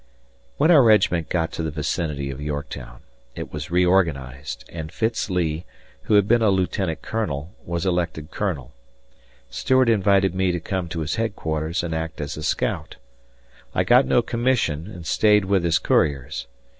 When our regiment got to the vicinity of Yorktown, it was reorganized, and Fitz Lee, who had been a lieutenant colonel, was elected colonel. Stuart invited me to come to his headquarters and act as a scout. I got no commission and stayed with his couriers.